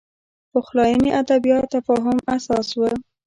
پخلاینې ادبیات تفاهم اساس و